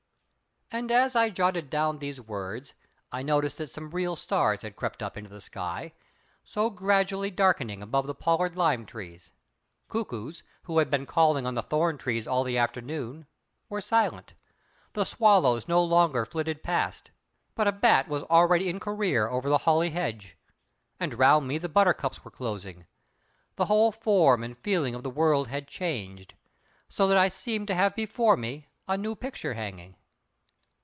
And as I jotted down these words I noticed that some real stars had crept up into the sky, so gradually darkening above the pollard lime trees; cuckoos, who had been calling on the thorn trees all the afternoon, were silent; the swallows no longer flirted past, but a bat was already in career over the holly hedge; and round me the buttercups were closing. The whole form and feeling of the world had changed, so that I seemed to have before me a new picture hanging.